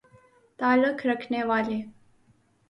تعلق رکھنے والے